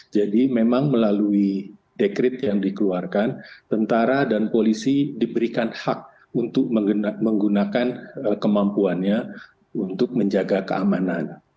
jadi memang melalui dekret yang dikeluarkan tentara dan polisi diberikan hak untuk menggunakan kemampuannya untuk menjaga keamanan